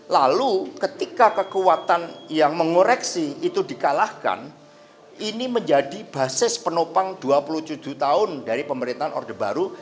lalu ketika kekuatan yang mengoreksi itu dikalahkan ini menjadi basis penopang dua puluh tujuh tahun dari pemerintahan orde baru